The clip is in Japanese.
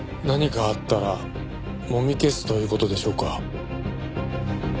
何かあったらもみ消すという事でしょうか？